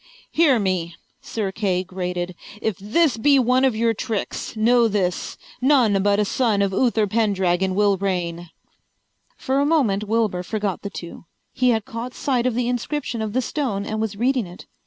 "Hear me," Sir Kay grated. "If this be one of your tricks, know this: none but a son of Uther Pendragon will reign." For a moment Wilbur forgot the two. He had caught sight of the inscription of the stone and was reading it.